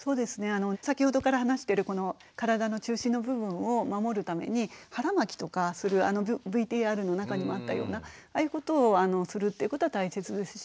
先ほどから話してる体の中心の部分を守るために腹巻きとかするあのＶＴＲの中にもあったようなああいうことをするっていうことは大切ですし。